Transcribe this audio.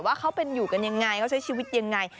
ว่าเขาเป็นอยู่กันยังไงเขาใช้ชีวิตยังไง